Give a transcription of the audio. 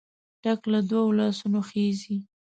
ټک له دوو لاسونو خېژي.